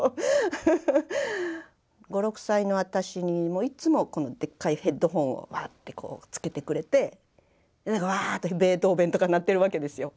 ５６歳の私にもいつもこのでっかいヘッドホンをワッてつけてくれてワーッとベートーベンとか鳴ってるわけですよ。